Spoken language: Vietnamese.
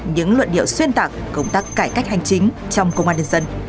những luận điệu xuyên tạc công tác cải cách hành chính trong công an nhân dân